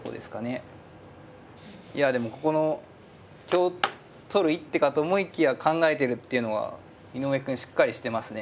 いやでもここの香取る一手かと思いきや考えてるっていうのが井上くんしっかりしてますね。